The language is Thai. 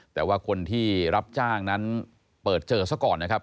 แต่ว่าคนที่รับจ้างนั้นเปิดเจอซะก่อนนะครับ